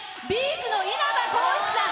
’ｚの稲葉浩志さん。